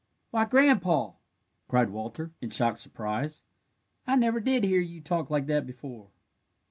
"Why, Grandpa!" cried Walter, in shocked surprise, "I never did hear you talk like that before."